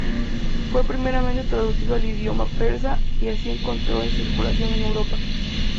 Fue primeramente traducido al idioma persa,y así entró en circulación en Europa.